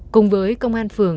cùng với công an phường